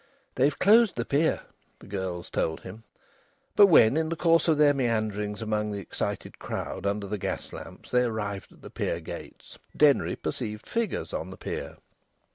"They've closed the pier," the girls told him. But when in the course of their meanderings among the excited crowd under the gas lamps they arrived at the pier gates, Denry perceived figures on the pier.